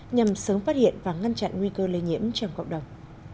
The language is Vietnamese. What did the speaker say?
nhằm sớm phát hiện và ngăn chặn nguy cơ lây nhiễm trong cộng đồng